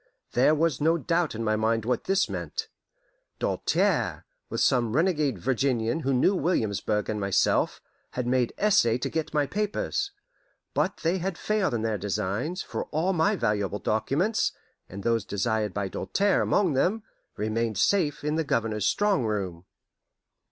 There was no doubt in my mind what this meant. Doltaire, with some renegade Virginian who knew Williamsburg and myself, had made essay to get my papers. But they had failed in their designs, for all my valuable documents and those desired by Doltaire among them remained safe in the Governor's strong room.